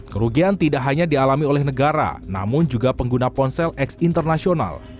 kerugian tidak hanya dialami oleh negara namun juga pengguna ponsel eks internasional